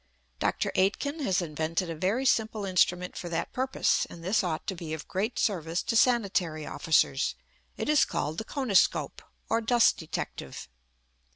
Dr. Aitken has invented a very simple instrument for that purpose; and this ought to be of great service to sanitary officers. It is called the koniscope or dust detective.